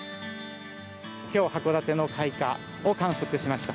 きょう函館の開花を観測しました。